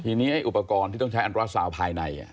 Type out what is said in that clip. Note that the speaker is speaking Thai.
ทีนี้ไอ้อุปกรณ์ที่ต้องใช้อันตราซาวภายใน